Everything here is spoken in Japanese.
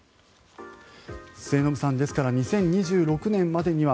末延さんですから２０２６年までには